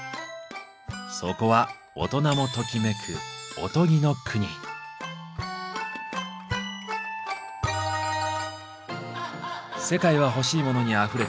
そこは大人もときめく「世界はほしいモノにあふれてる」。